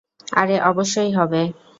আরে অবশ্যই হবে।